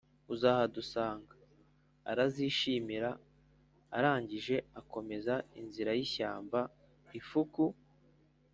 uzahadusanga." arazishimira, arangije akomeza inzira y'ishyamba, ifuku